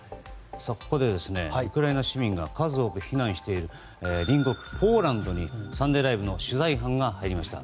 ここでウクライナ市民が数多く避難している隣国ポーランドに「サンデーＬＩＶＥ！！」の取材班が入りました。